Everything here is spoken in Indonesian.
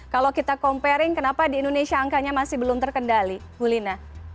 kalau kita comparing kenapa di indonesia angkanya masih belum terkendali bu lina